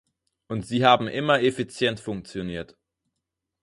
Und sie haben immer effizient funktioniert.